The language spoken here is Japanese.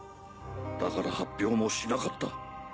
だから発表もしなかった。